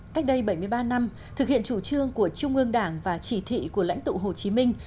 cách đây bảy mươi ba năm thực hiện chủ trương của trung ương đảng và chỉ thị của lãnh tụ hồ chí minh